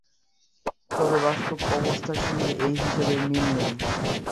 তবে বাস্তব অবস্থার সঙ্গে এই হিসাবের মিল নেই।